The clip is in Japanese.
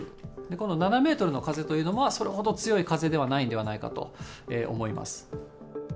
この７メートルの風というのは、それほど強い風ではないんではないかと思います。